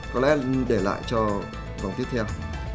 có lẽ để lại cho vòng tiếp theo